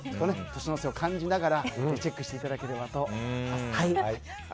年の瀬を感じながらぜひチェックしていただければと思います。